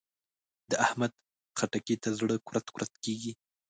د احمد؛ خټکي ته زړه کورت کورت کېږي.